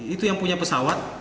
itu yang punya pesawat